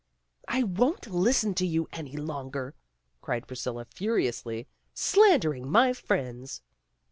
"I won't listen to you any longer," cried Priscilla furiously, "slandering my friends."